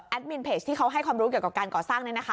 มินเพจที่เขาให้ความรู้เกี่ยวกับการก่อสร้างเนี่ยนะคะ